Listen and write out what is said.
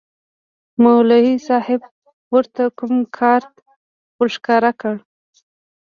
مولوي صاحب ورته کوم کارت ورښکاره کړ.